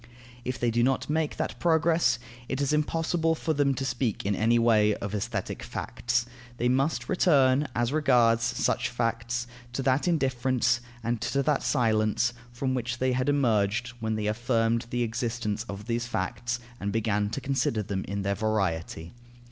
If they do not make that progress, it is impossible for them to speak in any way of aesthetic facts. They must return, as regards such facts, to that indifference and to that silence from which they had emerged when they affirmed the existence of these facts and began to consider them in their variety.